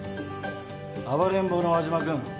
暴れん坊の輪島くん